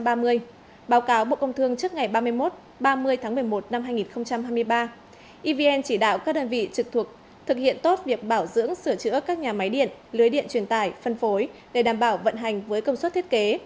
báo cáo bộ công thương trước ngày ba mươi một ba mươi tháng một mươi một năm hai nghìn hai mươi ba evn chỉ đạo các đơn vị trực thuộc thực hiện tốt việc bảo dưỡng sửa chữa các nhà máy điện lưới điện truyền tải phân phối để đảm bảo vận hành với công suất thiết kế